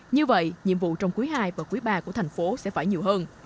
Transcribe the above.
như vậy nhiệm vụ trong quý ii và quý iii của thành phố sẽ phải nhiều hơn